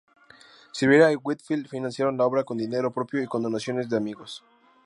Silvera y Whitfield financiaron la obra con dinero propio y con donaciones de amigos.